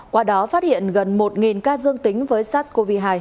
qua đó phát hiện gần một ca dương tính với sars cov hai